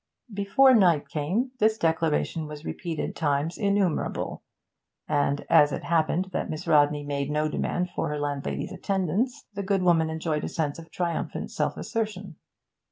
Before night came this declaration was repeated times innumerable, and as it happened that Miss Rodney made no demand for her landlady's attendance, the good woman enjoyed a sense of triumphant self assertion.